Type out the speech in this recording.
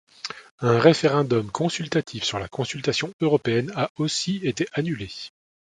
Un référendum consultatif sur la Constitution européenne a aussi été annulé.